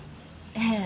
ええ。